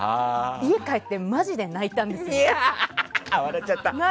家に帰ってまじで泣いたんですよ。